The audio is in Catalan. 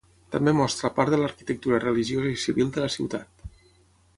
També mostra part de l'arquitectura religiosa i civil de la ciutat.